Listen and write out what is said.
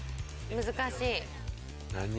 難しい。何？